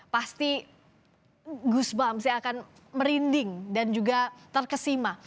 pasti gus bam saya akan merinding dan juga terkesima